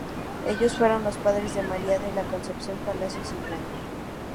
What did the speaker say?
Ellos fueron los padres de María de la Concepción Palacios y Blanco.